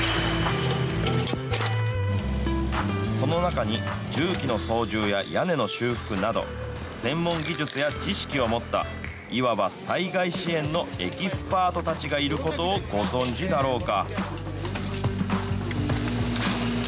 その中に、重機の操縦や屋根の修復など、専門技術や知識を持った、いわば災害支援のエキスパートたちがいることをご存じだろうか。